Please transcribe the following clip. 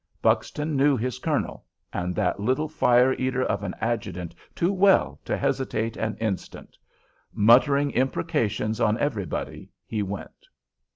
Buxton knew his colonel and that little fire eater of an adjutant too well to hesitate an instant. Muttering imprecations on everybody, he went.